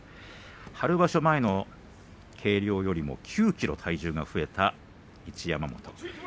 春場所前の計量よりも９ｋｇ体重が増えた一山本です。